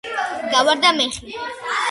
გავარდა მეხი